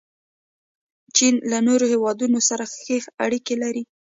چین له نورو هیوادونو سره ښې اړیکې لري.